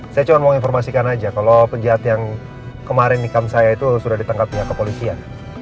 saya cuma mau informasikan aja kalau penjahat yang kemarin nikam saya itu sudah ditangkap pihak kepolisian